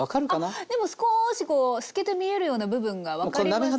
あでも少しこう透けて見えるような部分が分かりますね。